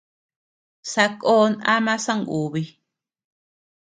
Sakon am songubi.